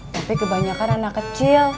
tapi kebanyakan anak kecil